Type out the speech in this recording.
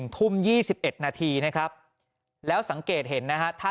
ทุ่ม๒๑นาทีนะครับแล้วสังเกตเห็นนะฮะ